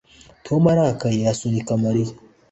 Tom arakaye asunika Mariya